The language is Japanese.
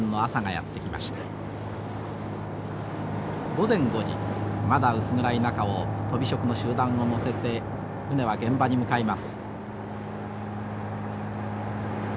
午前５時まだ薄暗い中をとび職の集団を乗せて船は現場に向かいます。